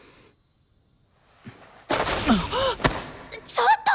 ちょっと！